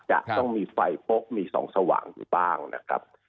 จะต้องมีไฟพกมีส่องสว่างอยู่บ้างนะครับ